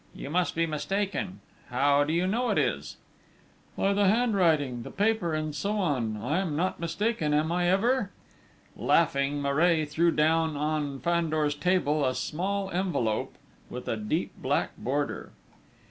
You must be mistaken!... How do you know it is?" "By the handwriting, the paper, and so on I'm not mistaken am I ever?..." Laughing, Maray threw down on Fandor's table a small envelope with a deep black border.